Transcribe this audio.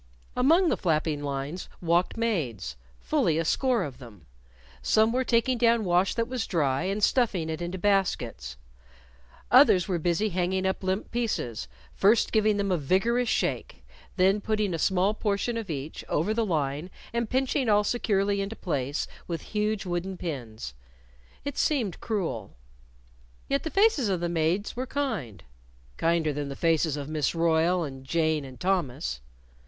Among the flapping lines walked maids fully a score of them. Some were taking down wash that was dry and stuffing it into baskets. Others were busy hanging up limp pieces, first giving them a vigorous shake; then putting a small portion of each over the line and pinching all securely into place with huge wooden pins. It seemed cruel. Yet the faces of the maids were kind kinder than the faces of Miss Royle and Jane and Thomas.